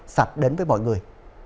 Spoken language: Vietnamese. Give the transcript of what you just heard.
sạch đến với mọi người